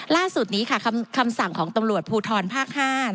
ล่าสุดนี้คำสั่งของตำรวจภูทรภาค๕